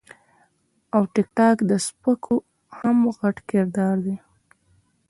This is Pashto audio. او د ټک ټاک د سپکو هم غټ کردار دے -